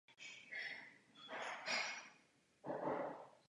Leží na východ v bezprostřední blízkosti okresního města Kremže.